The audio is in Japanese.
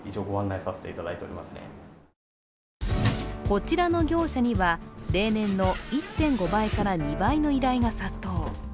こちらの業者には、例年の１．５倍から２倍の依頼が殺到。